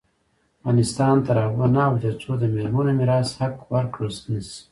افغانستان تر هغو نه ابادیږي، ترڅو د میرمنو میراث حق ورکړل نشي.